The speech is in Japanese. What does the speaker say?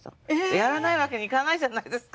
やらないわけにいかないじゃないですか。